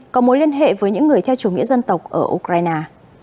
có mối liên hệ với những người theo chủ nghĩa dân tộc ở ukraine